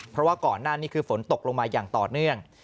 เพราะว่าก่อนหน้านี้คือฝนตกลงมาอย่างต่อเนื่อง